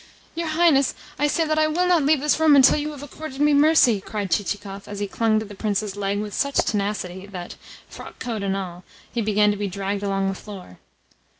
"Your Highness, I say that I will not leave this room until you have accorded me mercy!" cried Chichikov as he clung to the Prince's leg with such tenacity that, frockcoat and all, he began to be dragged along the floor.